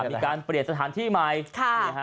มีการเปลี่ยนสถานที่ใหม่